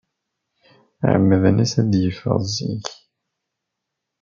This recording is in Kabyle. Ɛemmden-as ad yeffeɣ zik.